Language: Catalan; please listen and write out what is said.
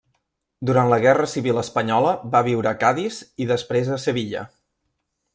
Durant la guerra civil espanyola va viure a Cadis i després a Sevilla.